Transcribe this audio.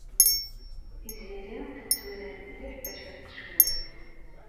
Tiziri tetturar mliḥ tacirqecwalt.